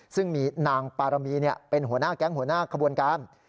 ซึ่งมีนางปารมีเป็นหัวหน้าแก๊งหัวหน้าขบวนการ